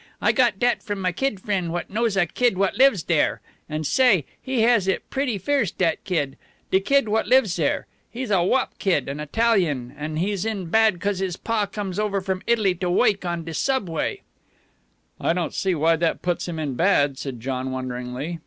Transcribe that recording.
I got dat from my kid frien' what knows a kid what lives dere. An' say, he has it pretty fierce, dat kid. De kid what lives dere. He's a wop kid, an Italian, an' he's in bad 'cos his pa comes over from Italy to woik on de subway." "I don't see why that puts him in bad," said John wonderingly.